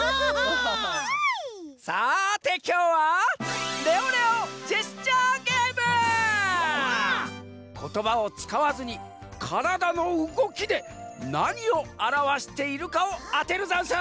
さてきょうはことばをつかわずにからだのうごきでなにをあらわしているかをあてるざんす！